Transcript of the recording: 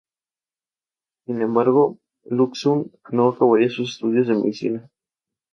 Sin embargo, Lu Xun no acabaría sus estudios de medicina.